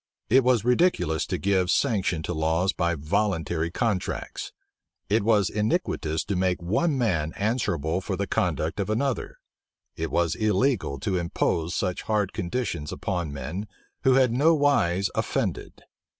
It was ridiculous to give sanction to laws by voluntary contracts: it was iniquitous to make one man answerable for the conduct of another: it was illegal to impose such hard conditions upon men who had nowise offended.